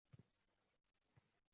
Ana buyuk asar, ana!